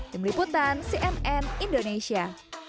tim liputan cnn indonesia